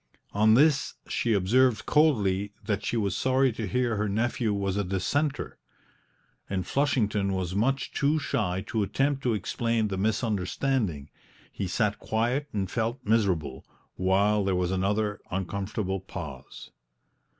On this she observed coldly that she was sorry to hear her nephew was a Dissenter; and Flushington was much too shy to attempt to explain the misunderstanding; he sat quiet and felt miserable, while there was another uncomfortable pause.